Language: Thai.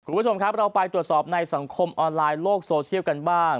คุณผู้ชมครับเราไปตรวจสอบในสังคมออนไลน์โลกโซเชียลกันบ้าง